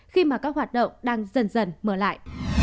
khi mà các hoạt động đang dần dần mở lại